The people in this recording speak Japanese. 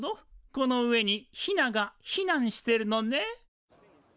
この上にヒナがひなんしてるのね。